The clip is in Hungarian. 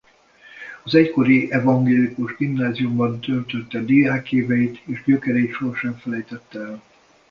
Az egykori evangélikus gimnáziumban töltötte diákéveit és gyökereit sohasem felejtette el.